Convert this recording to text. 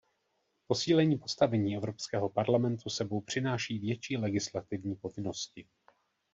Posílení postavení Evropského parlamentu s sebou přináší větší legislativní povinnosti.